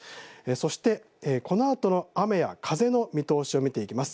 そしてこのあとの雨や風の見通しです。